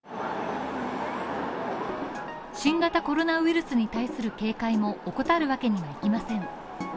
新型コロナウイルスに対する警戒も怠るわけにはいきません。